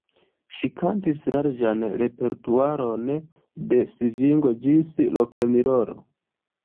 Ŝi kantis larĝan repertuaron de svingo ĝis rokenrolo.